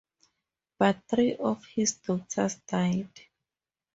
But three of his daughters died.